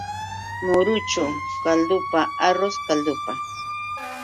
Muruchu kaldupa, arrus kaldupa.